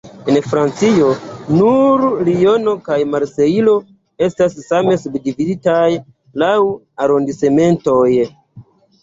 En Francio, nur Liono kaj Marsejlo estas same subdividitaj laŭ arondismentoj.